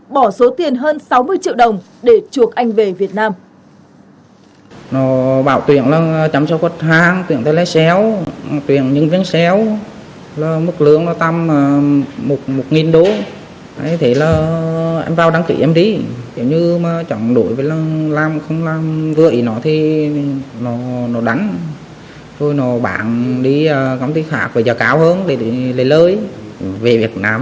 bỏ số tiền hơn sáu mươi triệu đồng để chuộc anh về việt nam